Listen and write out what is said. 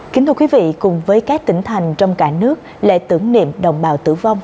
kính thưa quý vị cùng với các tỉnh thành trong cả nước lễ tưởng niệm đồng bào tử vong